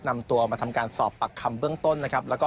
นำตัวมาทำการสอบปากคำเบื้องต้นนะครับแล้วก็